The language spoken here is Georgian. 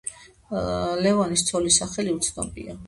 ლევონის ცოლის სახელი უცნობია.